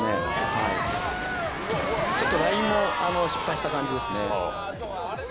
はいちょっとラインも失敗した感じですね